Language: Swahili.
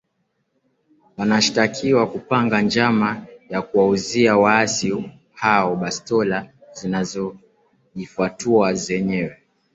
wanashtakiwa kupanga njama ya kuwauzia waasi hao bastola zinazojifwatua zenyewe